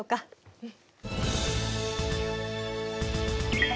うん。